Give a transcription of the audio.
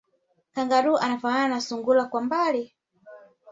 Kangaroo anafanana na sungura kwa mbali